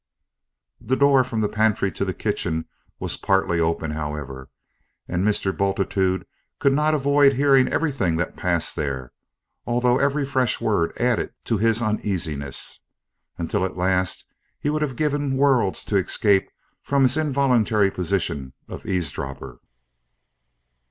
The door from the pantry to the kitchen was partly open, however, and Mr. Bultitude could not avoid hearing everything that passed there, although every fresh word added to his uneasiness, until at last he would have given worlds to escape from his involuntary position of eavesdropper.